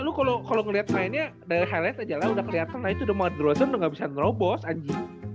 iya lu kalo ngeliat mainnya dari highlight aja lah udah keliatan itu udah mau ada draw turn udah gabisa draw boss anjing